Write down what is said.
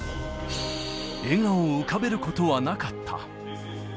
笑顔を浮かべることはなかった。